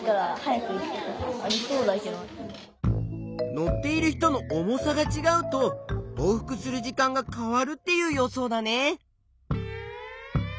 乗っている人の重さがちがうと往復する時間が変わるっていう予想だね。